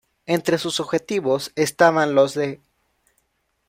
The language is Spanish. Entre sus objetivos, estaban los de